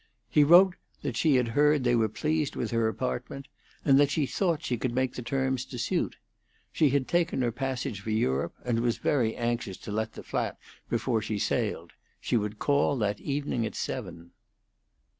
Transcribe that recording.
He wrote that she had heard they were pleased with her apartment, and that she thought she could make the terms to suit. She had taken her passage for Europe, and was very anxious to let the flat before she sailed. She would call that evening at seven.